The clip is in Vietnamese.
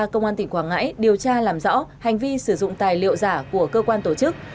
công an tỉnh quảng ngãi điều tra làm rõ hành vi sử dụng tài liệu giả của cơ quan tổ chức